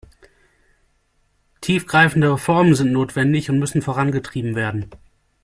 Tiefgreifende Reformen sind notwendig und müssen vorangetrieben werden.